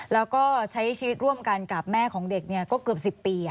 แล้วก็ใช้ชีวิตร่วมกันกับแม่ของเด็กก็เกือบ๑๐ปี